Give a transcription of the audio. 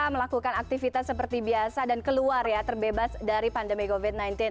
melakukan aktivitas seperti biasa dan keluar ya terbebas dari pandemi covid sembilan belas